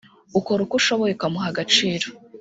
ukora uko ushoboye ukamuha agaciro